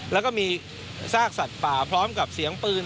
แล้วก็มีซากสัตว์ป่าพร้อมกับเสียงปืน